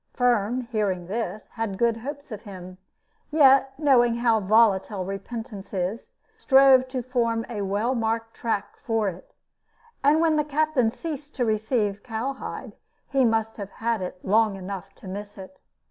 Firm, hearing this, had good hopes of him; yet knowing how volatile repentance is, he strove to form a well marked track for it. And when the captain ceased to receive cowhide, he must have had it long enough to miss it.